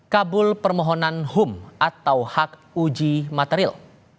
kabul permohonan hum atau hak uji material